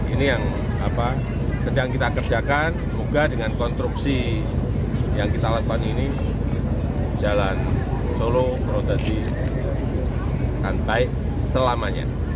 ini yang apa sedang kita kerjakan moga dengan konstruksi yang kita lakukan ini jalan solo purwodadi sampai selamanya